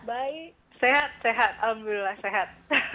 baik sehat sehat alhamdulillah sehat